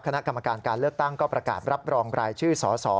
คณะกรรมการการเลือกตั้งก็ประกาศรับรองรายชื่อสส